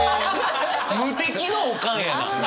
無敵のオカンやな！